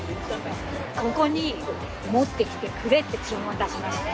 ここに持ってきてくれって注文出しました。